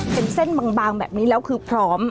เป็นเส้นบางแบบนี้แล้วคือพร้อม